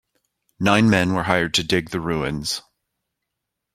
Nine men were hired to dig the ruins.